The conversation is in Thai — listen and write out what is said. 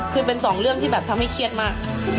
คือเป็นสองเรื่องที่แบบทำให้เครียดมาก